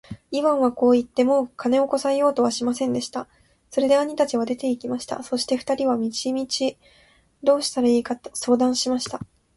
イワンはこう言って、もう金をこさえようとはしませんでした。それで兄たちは出て行きました。そして二人は道々どうしたらいいか相談しました。